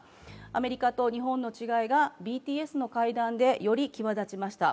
アメリカと日本の違いがＢＴＳの会談でより際立ちました。